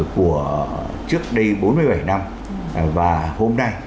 của trước đây bốn mươi bảy năm và hôm nay